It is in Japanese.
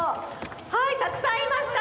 はいたくさんいました！